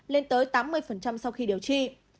lên tới tám mươi sau khi điều trị